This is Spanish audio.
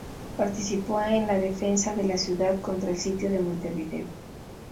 Participó en la defensa de la ciudad contra el Sitio de Montevideo.